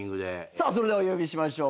さあそれではお呼びしましょう。